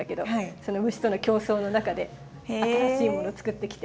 その虫との競争の中で新しいものつくってきて。